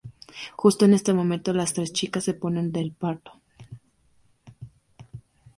Justo en ese momento, las tres chicas se ponen de parto.